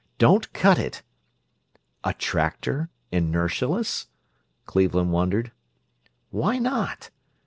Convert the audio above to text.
Don't cut it!" "A tractor inertialess?" Cleveland wondered. "Why not?"